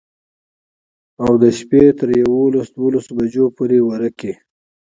او د شپي تر يوولس دولسو بجو پورې ورقې.